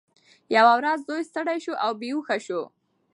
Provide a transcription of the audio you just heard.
یوه ورځ زوی ستړی شو او بېهوښه شو.